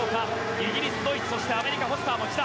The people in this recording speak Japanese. イギリス、ドイツアメリカのフォスターも来た。